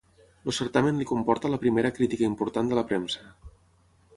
El certamen li comporta la primera crítica important de la premsa.